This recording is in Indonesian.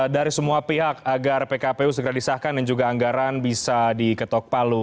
dari semua pihak agar pkpu segera disahkan dan juga anggaran bisa diketok palu